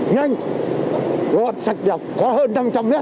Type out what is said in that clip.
nhanh gọn sạch đẹp có hơn năm trăm linh mét